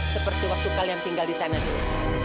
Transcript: seperti waktu kalian tinggal di sana dulu